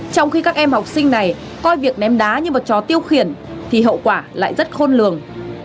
trong khi các em học sinh này coi việc ném đá như một chó tiêu khiển thì hậu quả lại rất khôn lường